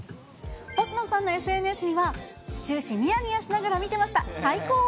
星野さんのＳＮＳには、終始にやにやしながら見てました、最高！